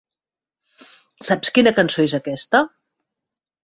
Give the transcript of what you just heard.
Saps què cançó és aquesta?